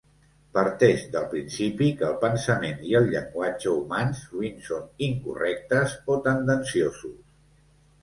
Parteix del principi que el pensament i el llenguatge humans sovint són incorrectes o tendenciosos.